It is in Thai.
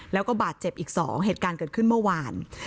แล้วก็บาดเจ็บอีก๒เหตุการณ์เกิดขึ้นเมื่อวาน